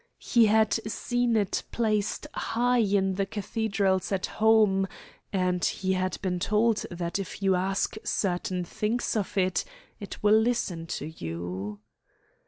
He had seen it placed high in the cathedrals at home, and he had been told that if you ask certain things of it it will listen to you.